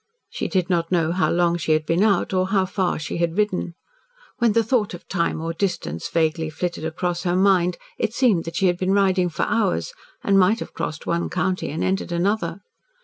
She did not know how long she had been out, or how far she had ridden. When the thought of time or distance vaguely flitted across her mind, it seemed that she had been riding for hours, and might have crossed one county and entered another.